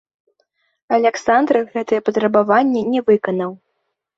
Аляксандр гэтыя патрабаванні не выканаў.